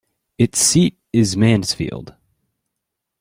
Its seat is Mansfield.